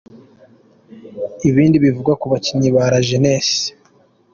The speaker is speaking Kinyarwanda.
Ibindi bivugwa ku bakinnyi ba La Jeunnesse.